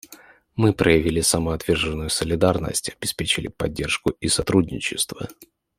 Мы проявили самоотверженную солидарность, обеспечили поддержку и сотрудничество.